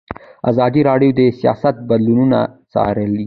ازادي راډیو د سیاست بدلونونه څارلي.